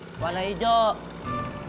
warung kelontong warna hijau